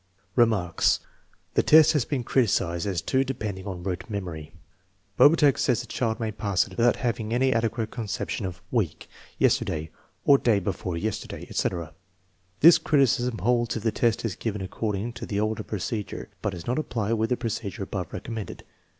Remarks. The test has been criticized as too depend ent on rote memory. Bobertag says a child may pass it without having any adequate conception of " week," " yes terday/' " day before yesterday," etc. This criticism holds if the test is given according to the older procedure, but does not apply with the procedure above recommended.